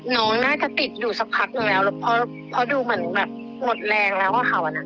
น้องน่าจะติดอยู่สักพักหนึ่งแล้วพอดูเหมือนแบบหมดแรงแล้วอะเขาอะนะ